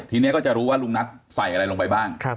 ทีนี้ก็จะรู้ว่าลุงนัทใส่อะไรลงไปบ้าง